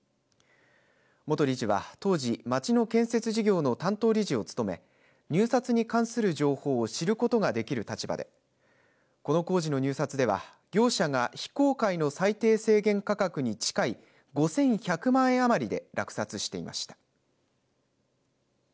元理事は当時、町の建設事業の担当理事を務め入札に関する情報を知ることができる立場でこの工事の入札では業者が非公開の最低制限価格に近い５１００万円余りで落札していました。